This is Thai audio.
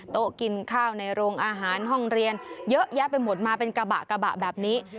โต๊ะกินข้าวในโรงอาหารห้องเรียนเยอะแยะไปหมดมาเป็นกระบะกระบะแบบนี้